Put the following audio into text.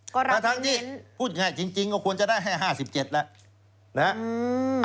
ประทับนี้พูดง่ายจริงก็ควรจะได้๕๗บาทละ